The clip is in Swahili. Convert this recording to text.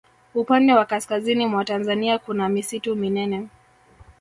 upande wa kaskazini mwa tanzania kuna misitu minene